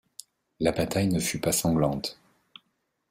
La bataille ne fut pas sanglante.